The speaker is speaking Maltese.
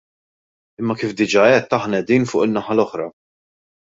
Imma kif diġà għedt aħna qegħdin fuq in-naħa l-oħra.